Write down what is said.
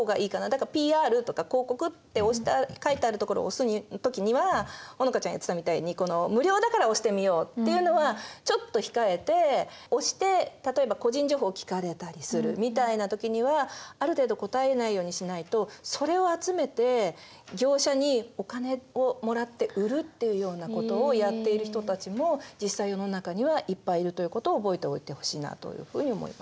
だから「ＰＲ」とか「広告」って書いてあるところを押す時には好花ちゃん言ってたみたいに無料だから押してみようっていうのはちょっと控えて押して例えば個人情報を聞かれたりするみたいな時にはある程度答えないようにしないとそれを集めて業者にお金をもらって売るっていうようなことをやっている人たちも実際世の中にはいっぱいいるということを覚えておいてほしいなというふうに思います。